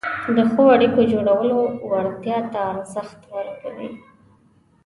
د ښو اړیکو جوړولو وړتیا ته ارزښت ورکوي،